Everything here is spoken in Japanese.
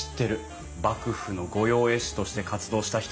幕府の御用絵師として活動した人たちでしょ。